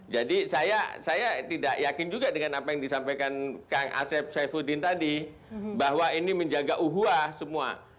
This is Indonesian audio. jadi saya tidak yakin juga dengan apa yang disampaikan kang asef saifuddin tadi bahwa ini menjaga uhuah semua